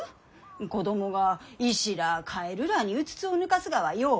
子供が石らあカエルらあにうつつを抜かすがはようあること。